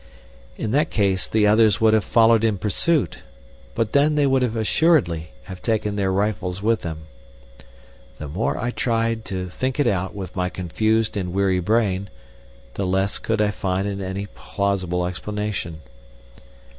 In that case the others would have followed in pursuit. But then they would assuredly have taken their rifles with them. The more I tried to think it out with my confused and weary brain the less could I find any plausible explanation.